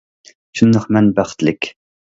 شۇنداق مەن بەختلىك.